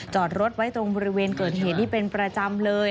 จอดรถไว้ตรงบริเวณเกิดเหตุนี้เป็นประจำเลย